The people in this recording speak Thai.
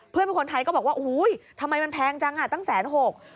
เพื่อนเป็นคนไทยก็บอกว่าอุ้ยทำไมมันแพงจังตั้งแสนหก